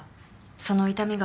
「その痛みが」